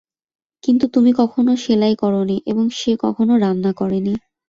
কিন্তু তুমি কখনো সেলাই করোনি এবং সে কখনো রান্না করেনি।